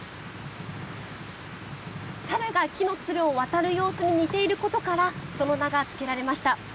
猿が木のつるを渡る様子に似ていることからその名がつけられました。